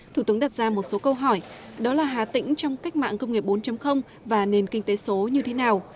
thủ tướng đặt ra một số câu hỏi đó là hà tĩnh trong cách mạng công nghiệp bốn và nền kinh tế số như thế nào